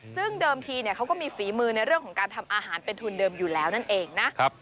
ซึ่งเดิมทีเขาก็มีฝีมือในเรื่องของการทำอาหารเป็นทุนเดิมอยู่แล้วนั่นเองนะ